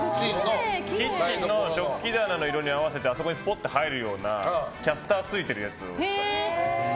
キッチンの食器棚の色に合わせてあそこにスポッと入るようなキャスターついてるやつを使ってます。